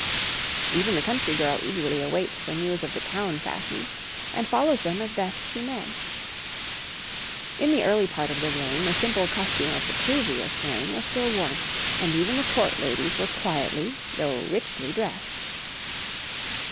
Even the country girl eagerly waits for news of the town fashions, and follows them as best she may. In the early part of the reign the simple costume of the previous reign was still worn, and even the court ladies were quietly, though richly, dressed.